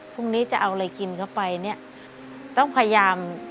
พรุ่งนี้จะเอาอะไรกินเข้าไปเนี่ยต้องพยายาม